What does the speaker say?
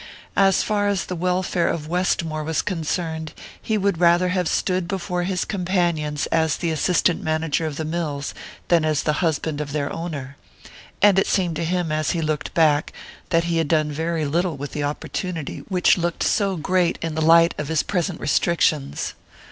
As far as the welfare of Westmore was concerned he would rather have stood before his companions as the assistant manager of the mills than as the husband of their owner; and it seemed to him, as he looked back, that he had done very little with the opportunity which looked so great in the light of his present restrictions.